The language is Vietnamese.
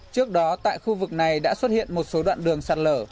trước đó tại khu vực này đã xuất hiện một số đoạn đường sạt lở